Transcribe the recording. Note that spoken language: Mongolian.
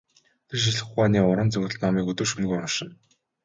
Тэр шинжлэх ухааны уран зөгнөлт номыг өдөр шөнөгүй уншина.